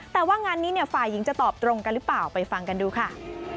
แต่ว่างานนี้ฝ่ายหญิงจะตอบตรงกันหรือเปล่าไปฟังกันดูค่ะ